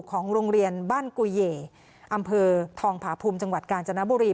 ของโรงเรียนบ้านกุยอำเภอทองผาภูมิจังหวัดกาญจนบุรี